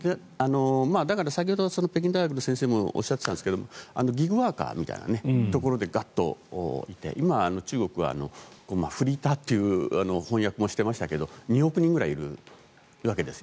だから先ほど北京大学の先生もおっしゃっていたんですがギグワーカーみたいなところでガッといて今、中国はフリーターという翻訳もしていましたが２億人ぐらいいるわけです。